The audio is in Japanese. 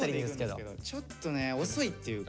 ちょっとね遅いっていうか。